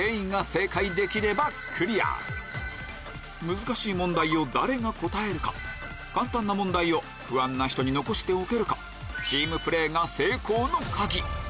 難しい問題を誰が答えるか簡単な問題を不安な人に残しておけるかチームプレーが成功の鍵